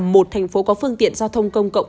một thành phố có phương tiện giao thông công cộng